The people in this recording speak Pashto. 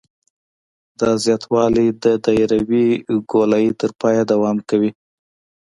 دا زیاتوالی د دایروي ګولایي تر پایه دوام کوي